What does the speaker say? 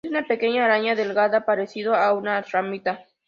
Es una pequeña araña delgada parecido a una ramita.